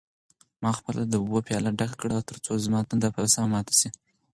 ما خپله د اوبو پیاله ډکه کړه ترڅو زما تنده په سمه ماته شي.